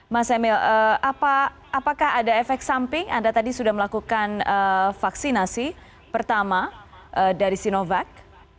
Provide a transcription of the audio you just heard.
mas emil apakah ada efek samping anda tadi sudah melakukan vaksinasi pertama dari sinovac